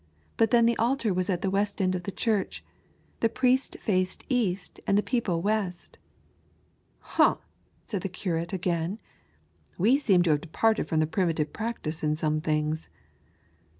But then the altar was at the west end of the church. The prieat faced east and the people west," "Humph!" said the curate again. "We eeem to have departed from primitive practice in some things."